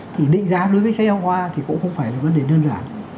thì định giá đối với sách giáo khoa thì cũng không phải là vấn đề đơn giản